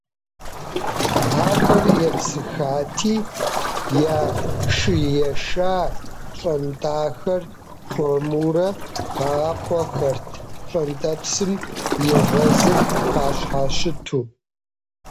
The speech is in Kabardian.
Ахэр епсыхати, я шы еша пщӀэнтӀахэр хуэмурэ бакъуэхэрт, пщӀэнтӀэпсым и гъуэзыр къащхьэщыту.